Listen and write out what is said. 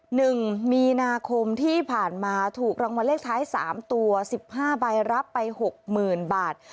หนึ่งมีนาคมที่ผ่านมาถูกรางวัลเลขท้ายสามตัวสิบห้าใบรับไปหกหมื่นบาท